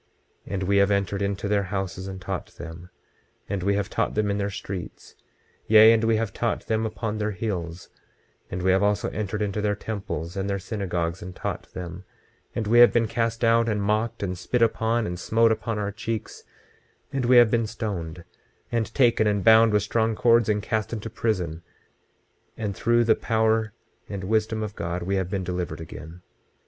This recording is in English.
26:29 And we have entered into their houses and taught them, and we have taught them in their streets; yea, and we have taught them upon their hills; and we have also entered into their temples and their synagogues and taught them; and we have been cast out, and mocked, and spit upon, and smote upon our cheeks; and we have been stoned, and taken and bound with strong cords, and cast into prison; and through the power and wisdom of God we have been delivered again.